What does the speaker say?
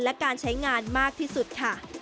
และการใช้งานมากที่สุดค่ะ